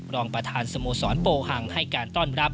รองประธานสโมสรโบฮังให้การต้อนรับ